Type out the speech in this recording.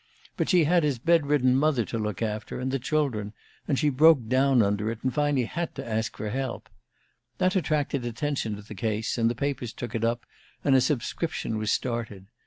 But she had his bedridden mother to look after, and the children, and she broke down under it, and finally had to ask for help. That attracted attention to the case, and the papers took it up, and a subscription was started.